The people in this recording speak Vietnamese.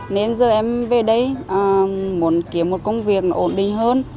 nên giờ em về đây muốn kiếm một công việc ổn định hơn